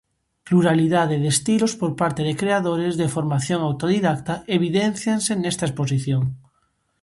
Pluralidade de estilos por parte de creadores de formación autodidacta evidéncianse nesta exposición.